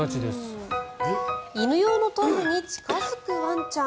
犬用のトイレに近付くワンちゃん。